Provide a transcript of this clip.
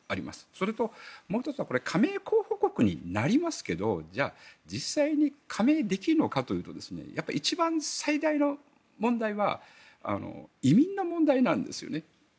それと、もう１つは加盟候補国になりますけどじゃあ、実際に加盟できるのかというとやっぱり一番最大の問題は移民の問題なんですよね。